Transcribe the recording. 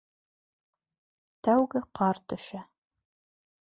Тәүге ҡар төшә.